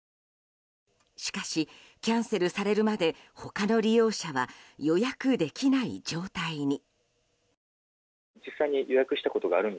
しかし、キャンセルされるまで他の利用者は予約できない状態に。